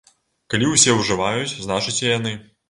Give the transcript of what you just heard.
Калі усе ўжываюць, значыць і яны.